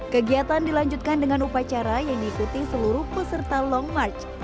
kegiatan dilanjutkan dengan upacara yang diikuti seluruh peserta long march